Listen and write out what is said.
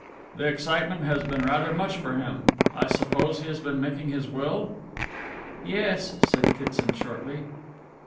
"The excitement has been rather much for him. I suppose he has been making his will?" "Yes," said Kitson shortly.